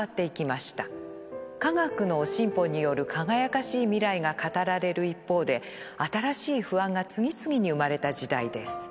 科学の進歩による輝かしい未来が語られる一方で新しい不安が次々に生まれた時代です。